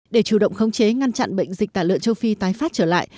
để chủ động khống chế ngăn chặn bệnh dịch tả lợn châu phi tái phát trở lại